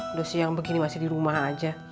udah siang begini masih di rumah aja